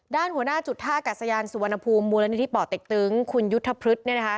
ด้านหัวหน้าจุดท่าอากาศยานสุวรรณภูมิมูลนิธิป่อเต็กตึงคุณยุทธพฤษเนี่ยนะคะ